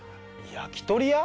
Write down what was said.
焼き鳥屋？